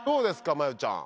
真佑ちゃん。